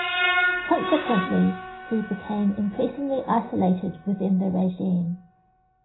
Consequently, he became increasingly isolated within the regime.